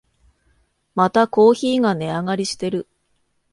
またコーヒーが値上がりしてる